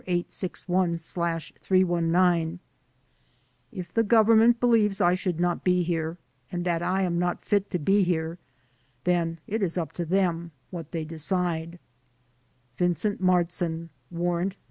54861/319) : "If the Government believes I should not be here and that I am not fit to be here, then it is up to them; what they decide." Vincent Martzin (Warrant No.